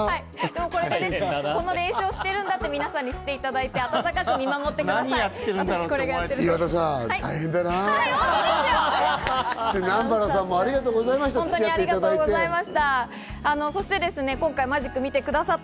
この練習をしているんだって、みんなに知っていただいて、温かく見守ってください。